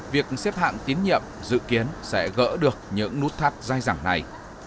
việc xếp hạng tín nhiệm dự kiến sẽ gỡ được những nút thắt dai dẳng này